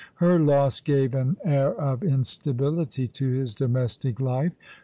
Her loss gave an air of instability to his domestic life.